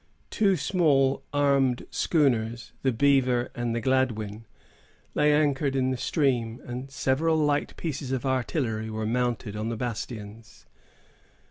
Two small, armed schooners, the Beaver and the Gladwyn, lay anchored in the stream, and several light pieces of artillery were mounted on the bastions.